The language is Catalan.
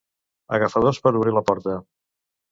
Agafador per obrir la porta.